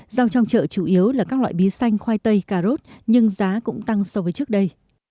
rau trong chợ chủ yếu là các loại bí xanh khoai tây cà rốt nhưng giá cũng tăng so với trước đây